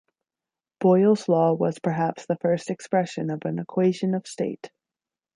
Boyle's Law was perhaps the first expression of an equation of state.